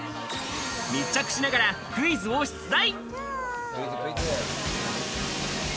密着しながらクイズを出題。